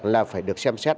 là phải được xem xét